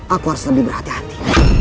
aku harus lebih berhati hati